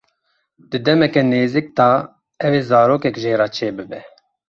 Di demeke nêzik de ew ê zarokek jê re çêbibe.